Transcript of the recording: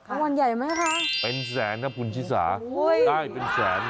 รางวัลใหญ่ไหมคะเป็นแสนนะคุณชิสาได้เป็นแสน